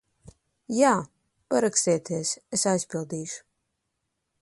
Jā. Parakstieties, es aizpildīšu.